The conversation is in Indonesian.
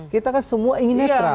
kita kan semua ingin netral